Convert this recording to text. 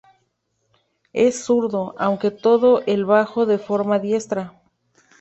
Es zurdo, aunque toca el bajo de forma diestra.